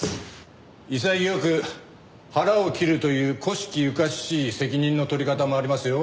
潔く腹を切るという古式ゆかしい責任の取り方もありますよ。